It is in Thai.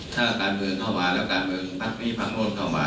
ถ้าการเมืองเข้ามาแล้วการเมืองพักนี้พักโน้นเข้ามา